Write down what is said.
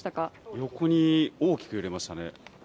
横に大きく揺れましたね。